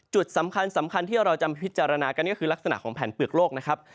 จุดสำคัญสำคัญที่เราจะพิจารณากันก็คือลักษณะของแผ่นเปลือกโลกนะครับ